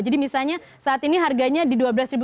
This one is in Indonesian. jadi misalnya saat ini harganya di dua belas tujuh ratus lima puluh